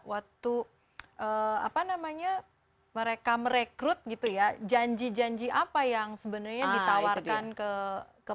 waktu apa namanya mereka merekrut gitu ya janji janji apa yang sebenarnya ditawarkan ke